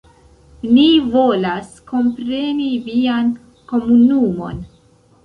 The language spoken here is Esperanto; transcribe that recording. Ni volas kompreni vian komunumon.